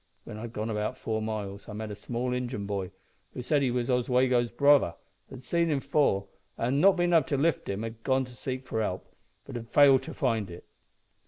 When I'd gone about four miles I met a small Injin boy who said he was Oswego's brother, had seen him fall, an', not bein' able to lift him, had gone to seek for help, but had failed to find it.